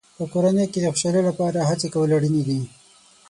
په کورنۍ کې د خوشحالۍ لپاره هڅې کول اړینې دي.